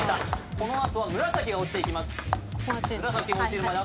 このあとは紫が落ちていきます